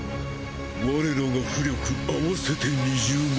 我らが巫力合わせて２０万。